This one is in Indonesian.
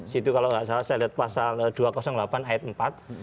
situ kalau nggak salah saya lihat pasal dua ratus delapan ayat empat